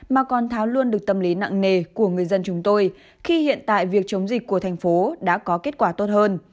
mà còn tháo luôn được tâm lý nặng nề của người dân chúng tôi khi hiện tại việc chống dịch của thành phố đã có kết quả tốt hơn